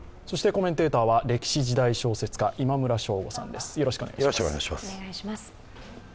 コメンテーターは歴史・時代小説家今村翔吾さんです。